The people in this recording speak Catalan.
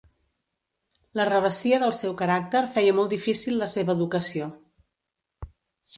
La revessia del seu caràcter feia molt difícil la seva educació.